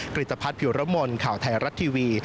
กริจภัทรผิวระม่วลข่าวไทยรัฐทีวี